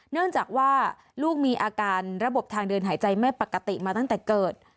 เนื่องจากว่าลูกมีอาการระบบทางเดินหายใจไม่ปกติมาตั้งแต่เกิด